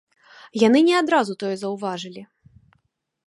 Яны не адразу тое заўважылі.